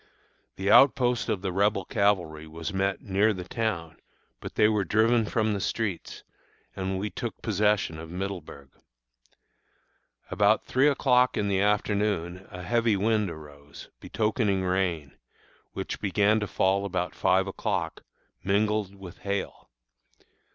The outpost of the Rebel cavalry was met near the town, but they were driven from the streets, and we took possession of Middleburg. About three o'clock in the afternoon a heavy wind arose, betokening rain, which began to fall about five o'clock, mingled with hail.